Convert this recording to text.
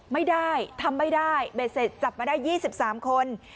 ไม่ได้ทำไม่ได้เบ็ดเสร็จจับมาได้๒๓คน